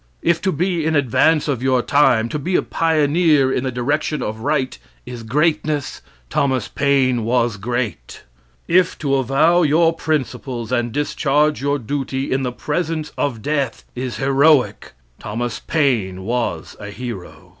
If to be in advance of your time, to be a pioneer in the direction of right, is greatness, Thomas Paine was great. If to avow your principles and discharge your duty in the presence of death is heroic, Thomas Paine was a hero.